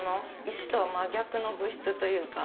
石とは真逆の物質というか。